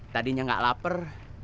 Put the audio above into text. tadinya enggak lapar